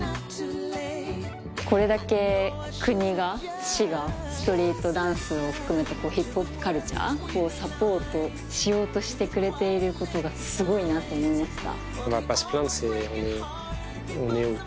これだけ国が市がストリートダンスを含めてヒップホップカルチャーをサポートしようとしてくれていることがすごいなと思いました。